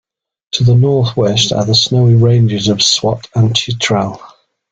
To the northwest are the snowy ranges of Swat and Chitral.